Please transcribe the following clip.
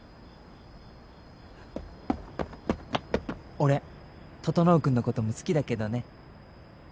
俺整君のことも好きだけどね。